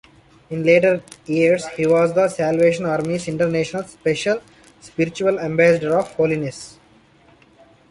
In later years he was the Salvation Army's International Special Spiritual Ambassador of holiness.